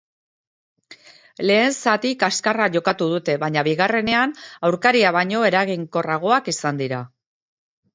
Lehen zati kaskarra jokatu dute, baina bigarrenean aurkaria baino erangikorragoak izan dira.